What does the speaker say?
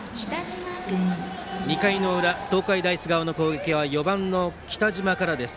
２回の裏東海大菅生の攻撃は４番の北島からです。